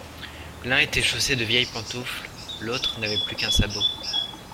L'un était chaussé de vieilles pantoufles, l'autre n'avait plus qu'un sabot.